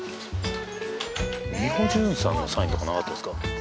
美保純さんのサインとかなかったですか？